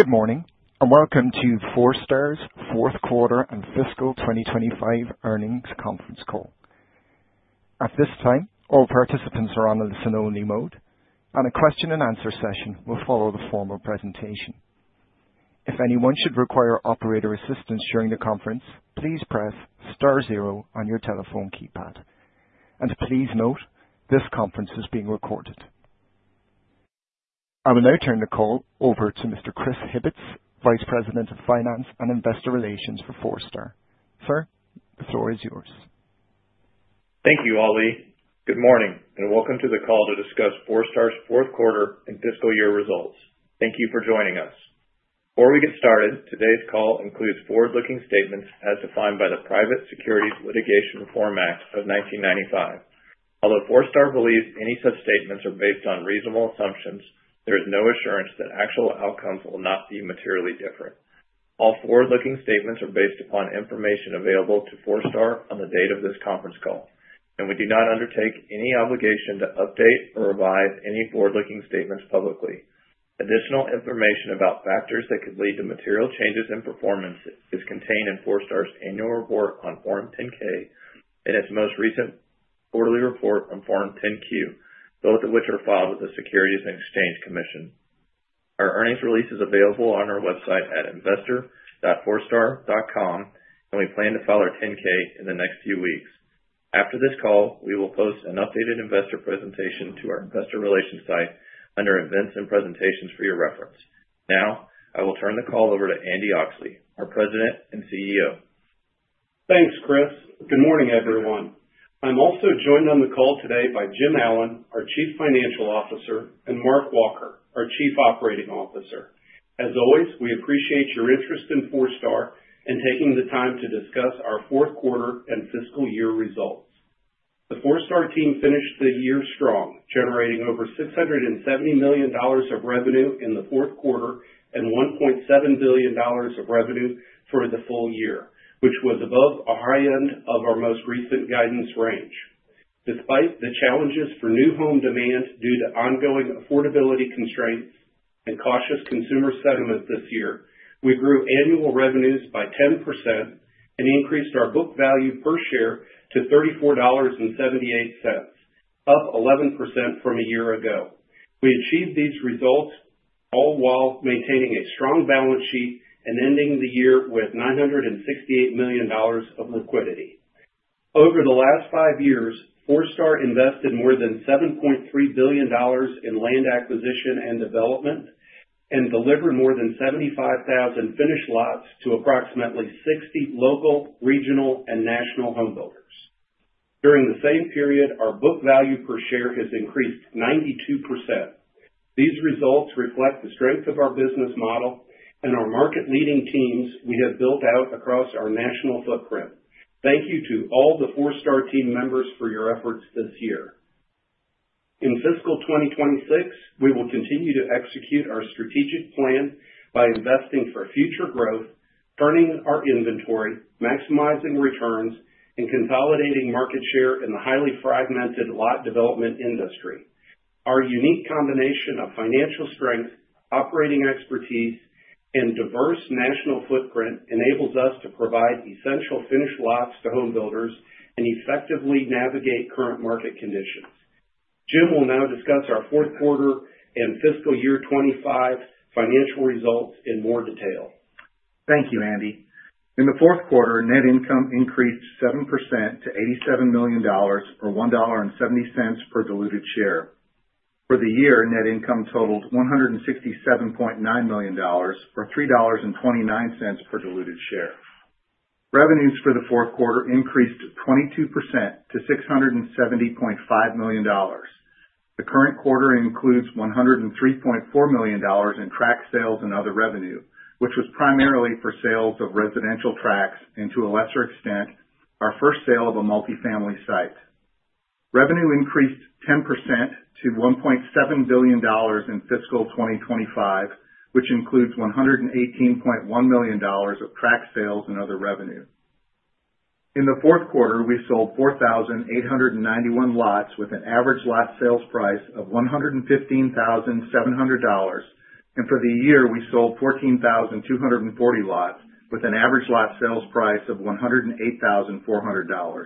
Good morning, and welcome to Forestar's Fourth Quarter and Fiscal 2025 Earnings Conference Call. At this time, all participants are on a listen-only mode, and the question-and-answer session will follow the formal presentation. If anyone should require operator assistance during the conference, please press star zero on your telephone keypad. And please note, this conference is being recorded. I will now turn the call over to Mr. Chris Hibbetts, Vice President of Finance and Investor Relations for Forestar. Sir, the floor is yours. Thank you, Ali. Good morning, and welcome to the call to discuss Forestar's Fourth Quarter and Fiscal Year results. Thank you for joining us. Before we get started, today's call includes forward-looking statements as defined by the Private Securities Litigation Reform Act of 1995. Although Forestar believes any such statements are based on reasonable assumptions, there is no assurance that actual outcomes will not be materially different. All forward-looking statements are based upon information available to Forestar on the date of this conference call, and we do not undertake any obligation to update or revise any forward-looking statements publicly. Additional information about factors that could lead to material changes in performance is contained in Forestar's annual report on Form 10-K and its most recent quarterly report on Form 10-Q, both of which are filed with the Securities and Exchange Commission. Our earnings release is available on our website at investor.forestar.com, and we plan to file our 10-K in the next few weeks. After this call, we will post an updated investor presentation to our investor relations site under Events and Presentations for your reference. Now, I will turn the call over to Andy Oxley, our President and CEO. Thanks, Chris. Good morning, everyone. I'm also joined on the call today by Jim Allen, our Chief Financial Officer, and Mark Walker, our Chief Operating Officer. As always, we appreciate your interest in Forestar and taking the time to discuss our Fourth Quarter and Fiscal Year results. The Forestar team finished the year strong, generating over $670 million of revenue in the fourth quarter and $1.7 billion of revenue for the full year, which was above a high end of our most recent guidance range. Despite the challenges for new home demand due to ongoing affordability constraints and cautious consumer sentiment this year, we grew annual revenues by 10% and increased our book value per share to $34.78, up 11% from a year ago. We achieved these results all while maintaining a strong balance sheet and ending the year with $968 million of liquidity. Over the last five years, Forestar invested more than $7.3 billion in land acquisition and development and delivered more than 75,000 finished lots to approximately 60 local, regional, and national home builders. During the same period, our book value per share has increased 92%. These results reflect the strength of our business model and our market-leading teams we have built out across our national footprint. Thank you to all the Forestar team members for your efforts this year. In Fiscal 2026, we will continue to execute our strategic plan by investing for future growth, turning our inventory, maximizing returns, and consolidating market share in the highly fragmented lot development industry. Our unique combination of financial strength, operating expertise, and diverse national footprint enables us to provide essential finished lots to home builders and effectively navigate current market conditions. Jim will now discuss our Fourth Quarter and Fiscal Year 2025 financial results in more detail. Thank you, Andy. In the fourth quarter, net income increased 7% to $87 million or $1.70 per diluted share. For the year, net income totaled $167.9 million or $3.29 per diluted share. Revenues for the fourth quarter increased 22% to $670.5 million. The current quarter includes $103.4 million in tract sales and other revenue, which was primarily for sales of residential tracts and, to a lesser extent, our first sale of a multifamily site. Revenue increased 10% to $1.7 billion in Fiscal 2025, which includes $118.1 million of tract sales and other revenue. In the fourth quarter, we sold 4,891 lots with an average lot sales price of $115,700, and for the year, we sold 14,240 lots with an average lot sales price of $108,400.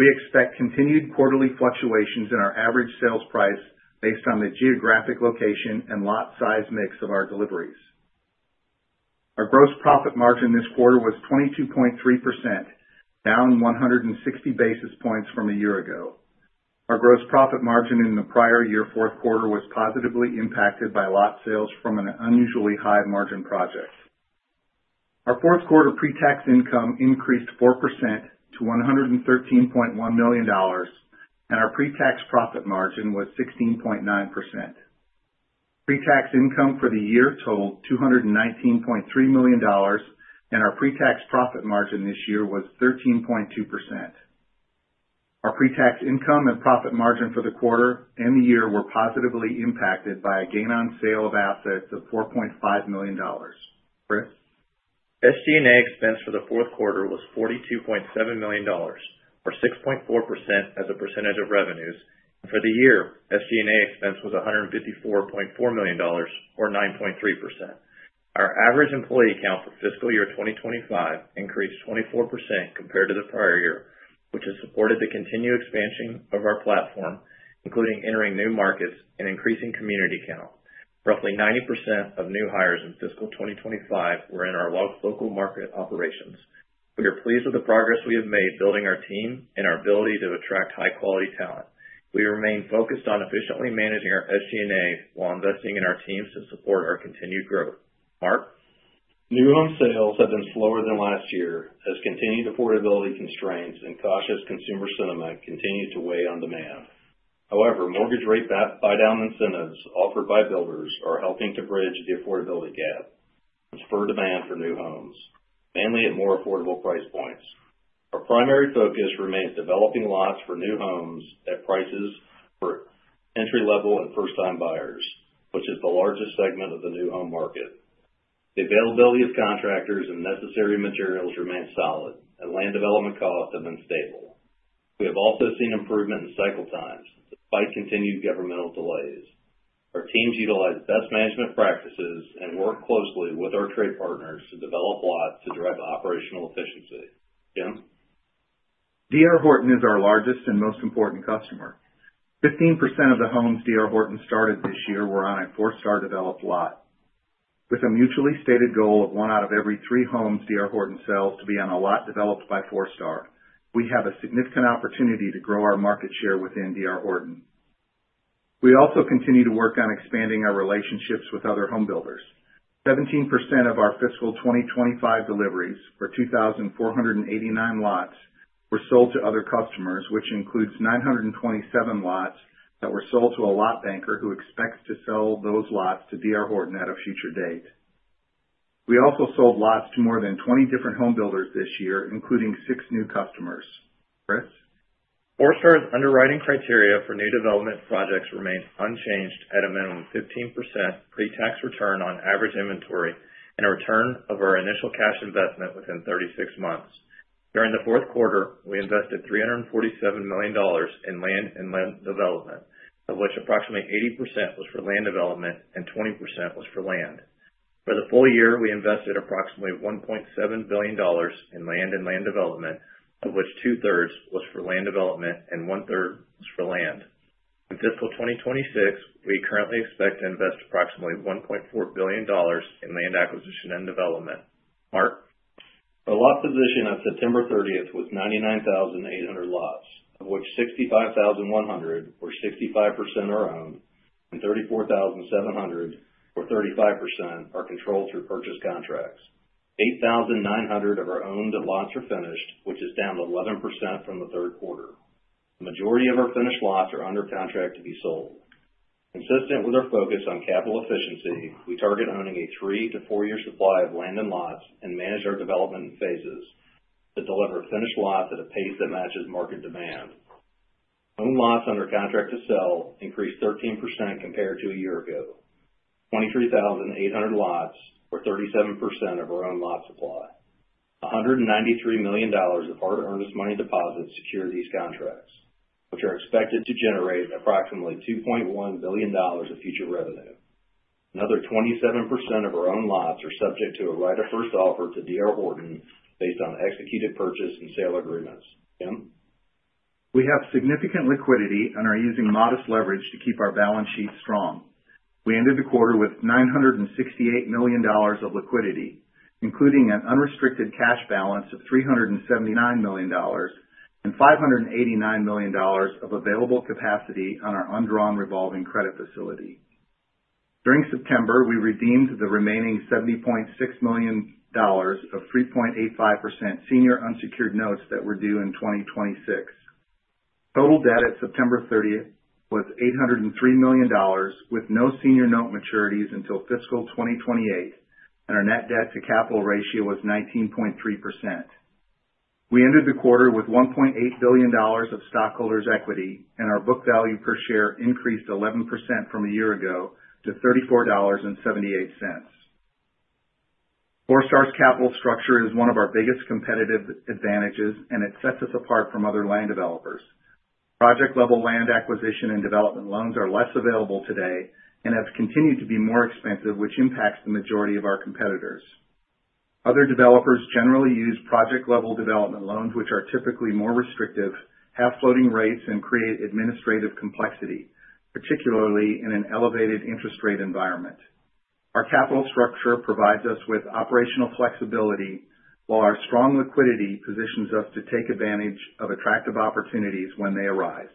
We expect continued quarterly fluctuations in our average sales price based on the geographic location and lot size mix of our deliveries. Our gross profit margin this quarter was 22.3%, down 160 basis points from a year ago. Our gross profit margin in the prior year fourth quarter was positively impacted by lot sales from an unusually high margin project. Our fourth quarter pre-tax income increased 4% to $113.1 million, and our pre-tax profit margin was 16.9%. Pre-tax income for the year totaled $219.3 million, and our pre-tax profit margin this year was 13.2%. Our pre-tax income and profit margin for the quarter and the year were positively impacted by a gain on sale of assets of $4.5 million. Chris. SG&A expense for the fourth quarter was $42.7 million or 6.4% as a percentage of revenues. For the year, SG&A expense was $154.4 million or 9.3%. Our average employee count for Fiscal Year 2025 increased 24% compared to the prior year, which has supported the continued expansion of our platform, including entering new markets and increasing community count. Roughly 90% of new hires in Fiscal 2025 were in our local market operations. We are pleased with the progress we have made building our team and our ability to attract high-quality talent. We remain focused on efficiently managing our SG&A while investing in our teams to support our continued growth. Mark? New home sales have been slower than last year as continued affordability constraints and cautious consumer sentiment continue to weigh on demand. However, mortgage rate buy-down incentives offered by builders are helping to bridge the affordability gap. Transfer demand for new homes, mainly at more affordable price points. Our primary focus remains developing lots for new homes at prices for entry-level and first-time buyers, which is the largest segment of the new home market. The availability of contractors and necessary materials remains solid, and land development costs have been stable. We have also seen improvement in cycle times despite continued governmental delays. Our teams utilize best management practices and work closely with our trade partners to develop lots to drive operational efficiency. Jim? D.R. Horton is our largest and most important customer. 15% of the homes D.R. Horton started this year were on a Forestar-developed lot. With a mutually stated goal of one out of every three homes D.R. Horton sells to be on a lot developed by Forestar, we have a significant opportunity to grow our market share within D.R. Horton. We also continue to work on expanding our relationships with other home builders. 17% of our Fiscal 2025 deliveries for 2,489 lots were sold to other customers, which includes 927 lots that were sold to a lot banker who expects to sell those lots to D.R. Horton at a future date. We also sold lots to more than 20 different home builders this year, including six new customers. Chris? Forestar's underwriting criteria for new development projects remains unchanged at a minimum 15% pre-tax return on average inventory and a return of our initial cash investment within 36 months. During the fourth quarter, we invested $347 million in land and land development, of which approximately 80% was for land development and 20% was for land. For the full year, we invested approximately $1.7 billion in land and land development, of which two-thirds was for land development and one-third was for land. In Fiscal 2026, we currently expect to invest approximately $1.4 billion in land acquisition and development. Mark? The lot position on September 30th was 99,800 lots, of which 65,100 were 65% our own and 34,700 were 35% our control through purchase contracts. 8,900 of our owned lots are finished, which is down 11% from the third quarter. The majority of our finished lots are under contract to be sold. Consistent with our focus on capital efficiency, we target owning a three- to four-year supply of land and lots and manage our development in phases to deliver finished lots at a pace that matches market demand. Owned lots under contract to sell increased 13% compared to a year ago. 23,800 lots were 37% of our owned lot supply. $193 million of our earnest money deposits secure these contracts, which are expected to generate approximately $2.1 billion of future revenue. Another 27% of our owned lots are subject to a right of first offer to D.R. Horton based on executed purchase and sale agreements. Jim? We have significant liquidity and are using modest leverage to keep our balance sheet strong. We ended the quarter with $968 million of liquidity, including an unrestricted cash balance of $379 million and $589 million of available capacity on our undrawn revolving credit facility. During September, we redeemed the remaining $70.6 million of 3.85% senior unsecured notes that were due in 2026. Total debt at September 30th was $803 million, with no senior note maturities until Fiscal 2028, and our net debt to capital ratio was 19.3%. We ended the quarter with $1.8 billion of stockholders' equity, and our book value per share increased 11% from a year ago to $34.78. Forestar's capital structure is one of our biggest competitive advantages, and it sets us apart from other land developers. Project-level land acquisition and development loans are less available today and have continued to be more expensive, which impacts the majority of our competitors. Other developers generally use project-level development loans, which are typically more restrictive, have floating rates, and create administrative complexity, particularly in an elevated interest rate environment. Our capital structure provides us with operational flexibility, while our strong liquidity positions us to take advantage of attractive opportunities when they arise.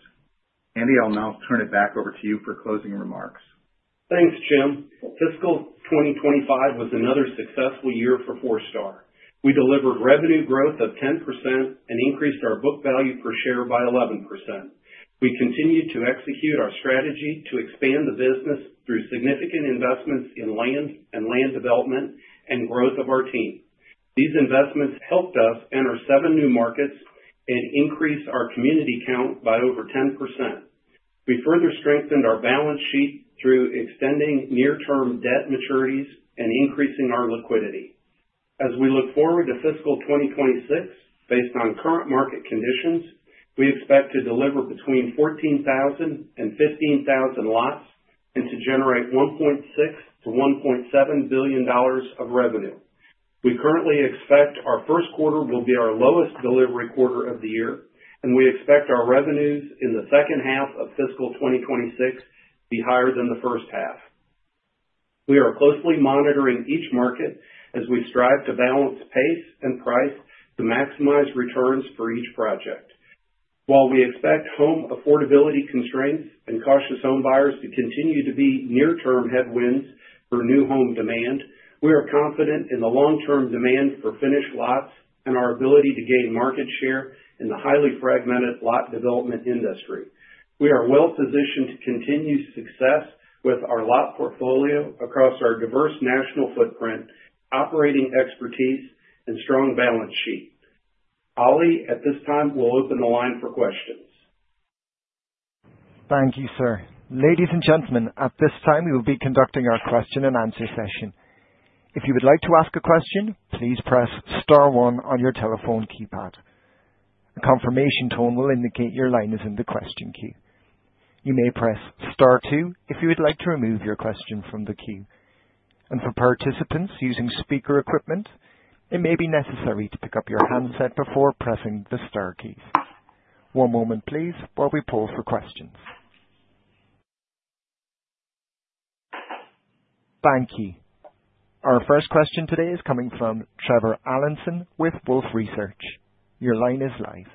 Andy, I'll now turn it back over to you for closing remarks. Thanks, Jim. Fiscal 2025 was another successful year for Forestar. We delivered revenue growth of 10% and increased our book value per share by 11%. We continue to execute our strategy to expand the business through significant investments in land and land development and growth of our team. These investments helped us enter seven new markets and increased our community count by over 10%. We further strengthened our balance sheet through extending near-term debt maturities and increasing our liquidity. As we look forward to Fiscal 2026, based on current market conditions, we expect to deliver between 14,000 and 15,000 lots and to generate $1.6-$1.7 billion of revenue. We currently expect our first quarter will be our lowest delivery quarter of the year, and we expect our revenues in the second half of Fiscal 2026 to be higher than the first half. We are closely monitoring each market as we strive to balance pace and price to maximize returns for each project. While we expect home affordability constraints and cautious home buyers to continue to be near-term headwinds for new home demand, we are confident in the long-term demand for finished lots and our ability to gain market share in the highly fragmented lot development industry. We are well-positioned to continue success with our lot portfolio across our diverse national footprint, operating expertise, and strong balance sheet. Ali, at this time, we'll open the line for questions. Thank you, sir. Ladies and gentlemen, at this time, we will be conducting our question-and-answer session. If you would like to ask a question, please press *1 on your telephone keypad. A confirmation tone will indicate your line is in the question queue. You may press *2 if you would like to remove your question from the queue. And for participants using speaker equipment, it may be necessary to pick up your handset before pressing the * keys. One moment, please, while we poll for questions. Thank you. Our first question today is coming from Trevor Allinson with Wolfe Research. Your line is live.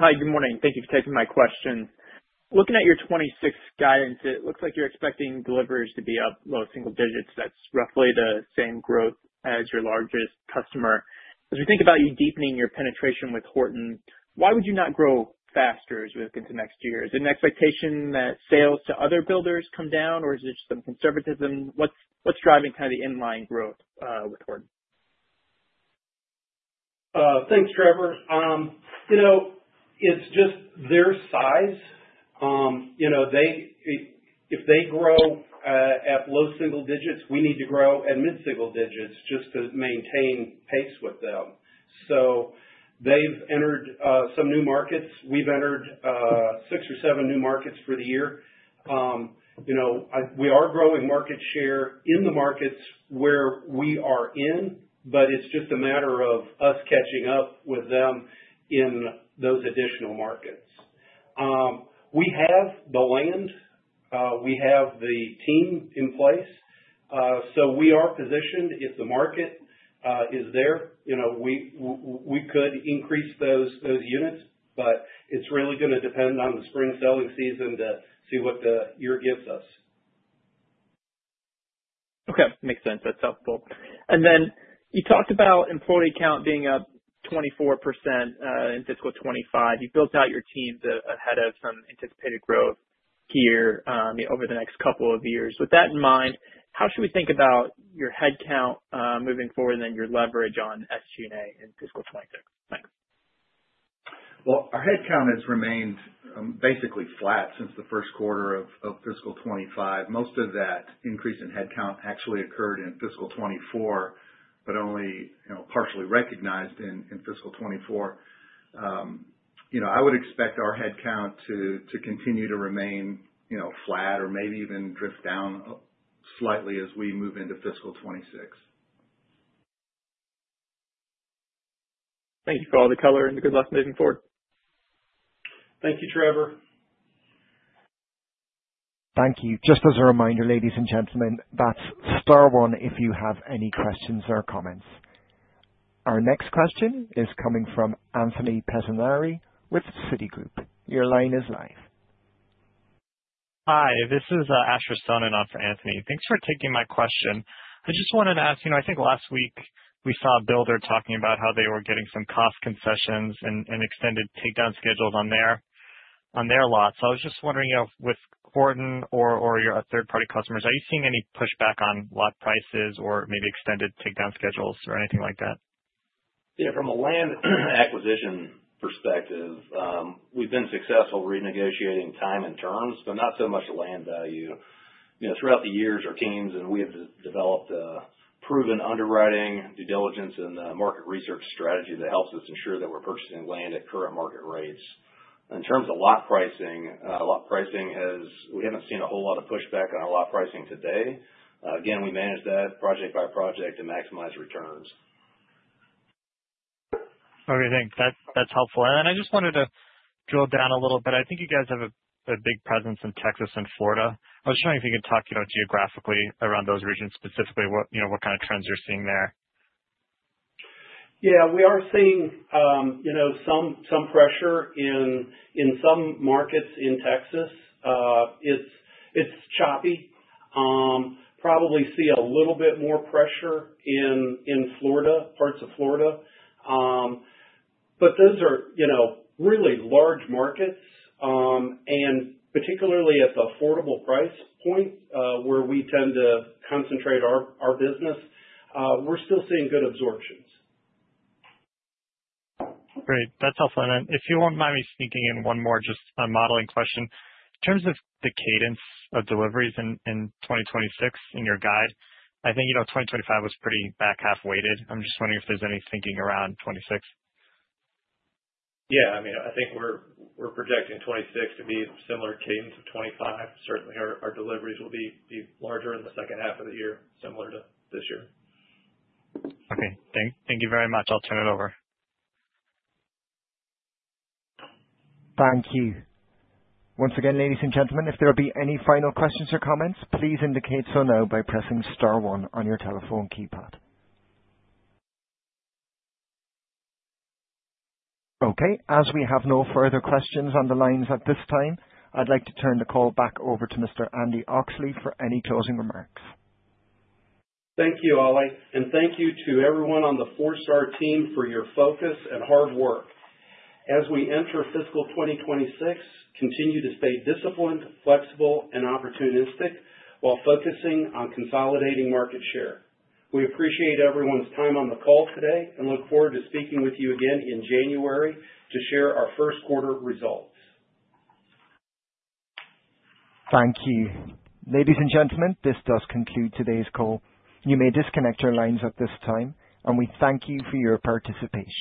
Hi, good morning. Thank you for taking my question. Looking at your 2026 guidance, it looks like you're expecting deliveries to be up low single digits. That's roughly the same growth as your largest customer. As we think about you deepening your penetration with Horton, why would you not grow faster as we look into next year? Is it an expectation that sales to other builders come down, or is it just some conservatism? What's driving kind of the inline growth with Horton? Thanks, Trevor. You know, it's just their size. If they grow at low single digits, we need to grow at mid-single digits just to maintain pace with them. So they've entered some new markets. We've entered six or seven new markets for the year. We are growing market share in the markets where we are in, but it's just a matter of us catching up with them in those additional markets. We have the land. We have the team in place. So we are positioned if the market is there. We could increase those units, but it's really going to depend on the spring selling season to see what the year gives us. Okay. Makes sense. That's helpful. And then you talked about employee count being up 24% in Fiscal 2025. You built out your team ahead of some anticipated growth here over the next couple of years. With that in mind, how should we think about your headcount moving forward and then your leverage on SG&A in Fiscal 2026? Thanks. Our headcount has remained basically flat since the first quarter of Fiscal 2025. Most of that increase in headcount actually occurred in Fiscal 2024, but only partially recognized in Fiscal 2024. I would expect our headcount to continue to remain flat or maybe even drift down slightly as we move into Fiscal 2026. Thank you for all the color and good luck moving forward. Thank you, Trevor. Thank you. Just as a reminder, ladies and gentlemen, that's 1 if you have any questions or comments. Our next question is coming from Anthony Pettinari with Citigroup. Your line is live. Hi, this is Asher Sohnen, and I'm for Anthony. Thanks for taking my question. I just wanted to ask, I think last week we saw a builder talking about how they were getting some cost concessions and extended takedown schedules on their lots. I was just wondering with Horton or your third-party customers, are you seeing any pushback on lot prices or maybe extended takedown schedules or anything like that? Yeah. From a land acquisition perspective, we've been successful renegotiating time and terms, but not so much land value. Throughout the years, our teams and we have developed proven underwriting due diligence and market research strategy that helps us ensure that we're purchasing land at current market rates. In terms of lot pricing, we haven't seen a whole lot of pushback on our lot pricing today. Again, we manage that project by project to maximize returns. Okay. Thanks. That's helpful. And I just wanted to drill down a little bit. I think you guys have a big presence in Texas and Florida. I was just wondering if you could talk geographically around those regions, specifically what kind of trends you're seeing there? Yeah. We are seeing some pressure in some markets in Texas. It's choppy. Probably see a little bit more pressure in Florida, parts of Florida. But those are really large markets, and particularly at the affordable price point where we tend to concentrate our business, we're still seeing good absorptions. Great. That's helpful, and if you won't mind me sneaking in one more, just on modeling question? In terms of the cadence of deliveries in 2026 in your guide, I think 2025 was pretty back half-weighted. I'm just wondering if there's any thinking around 2026. Yeah. I mean, I think we're projecting 2026 to be similar cadence to 2025. Certainly, our deliveries will be larger in the second half of the year, similar to this year. Okay. Thank you very much. I'll turn it over. Thank you. Once again, ladies and gentlemen, if there will be any final questions or comments, please indicate so now by pressing *1 on your telephone keypad. Okay. As we have no further questions on the lines at this time, I'd like to turn the call back over to Mr. Andy Oxley for any closing remarks. Thank you, Ali. And thank you to everyone on the Forestar team for your focus and hard work. As we enter Fiscal 2026, continue to stay disciplined, flexible, and opportunistic while focusing on consolidating market share. We appreciate everyone's time on the call today and look forward to speaking with you again in January to share our first quarter results. Thank you. Ladies and gentlemen, this does conclude today's call. You may disconnect your lines at this time, and we thank you for your participation.